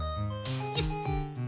よし。